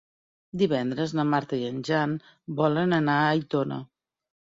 Divendres na Marta i en Jan volen anar a Aitona.